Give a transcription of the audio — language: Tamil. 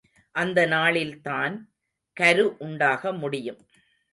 அந்த நாளில்தான் கரு உண்டாக முடியும்.